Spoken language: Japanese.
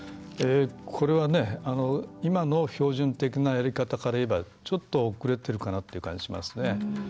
これは、今の標準的なやり方からいえばちょっと遅れているかなっていう感じしますね。